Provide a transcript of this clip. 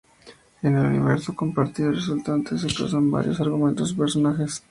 En el universo compartido resultante se cruzan varios argumentos y personajes.